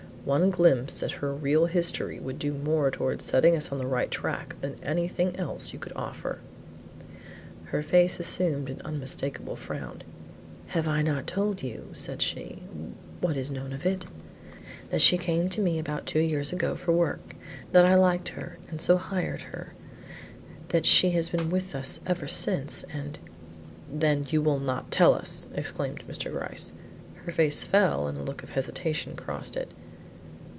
One glimpse at her real history would do more towards setting us on the right track than anything else you could offer." Her face assumed an unmistakable frown. "Have I not told you," said she, "what is known of it? That she came to me about two years ago for work; that I liked her, and so hired her; that she has been with us ever since and " "Then you will not tell us?" exclaimed Mr. Gryce. Her face fell and a look of hesitation crossed it.